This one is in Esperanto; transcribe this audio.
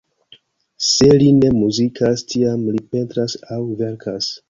Se li ne muzikas, tiam li pentras aŭ verkas.